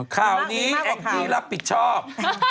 ข่าวนี้แองจี้รับผิดชอบ